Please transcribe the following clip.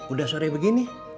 udah sore begini